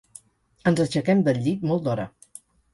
Ens aixequem del llit molt d'hora.